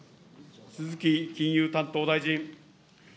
鈴木金融担当大臣。